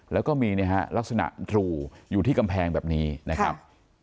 แล้วก็มีนะฮะลักษณะทรูอยู่ที่กำแพงแบบนี้นะครับ